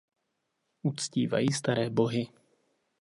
Uctívají Staré bohy.